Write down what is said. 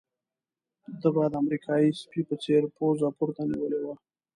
ده به د امریکایي سپي په څېر پوزه پورته نيولې وه.